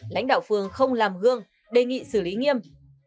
lãnh đạo phường không làm gương đề nghị xử lý nghiêm